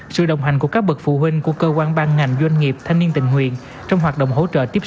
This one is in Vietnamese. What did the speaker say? sử dụng điện thoại